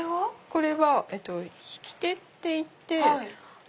これは引き手っていって。